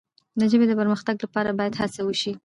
د ژبې د پرمختګ لپاره باید هڅه وسي.